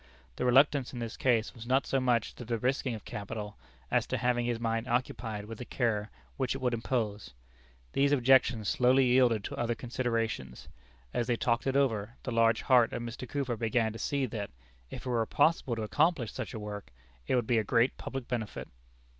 The reluctance in this case was not so much to the risking of capital, as to having his mind occupied with the care which it would impose. These objections slowly yielded to other considerations. As they talked it over, the large heart of Mr. Cooper began to see that, if it were possible to accomplish such a work, it would be a great public benefit.